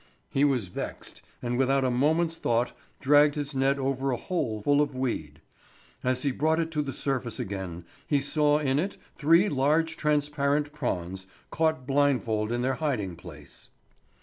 He was vexed, and without a moment's thought dragged his net over a hole full of weed. As he brought it to the surface again he saw in it three large transparent prawns, caught blindfold in their hiding place.